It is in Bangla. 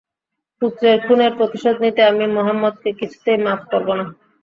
পুত্রের খুনের প্রতিশোধ নিতে আমি মুহাম্মাদকে কিছুতেই মাফ করব না।